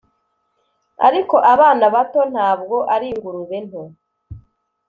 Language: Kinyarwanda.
ariko abana bato ntabwo ari ingurube nto: